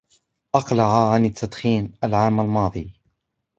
أقلع عن التدخين العام الماضي.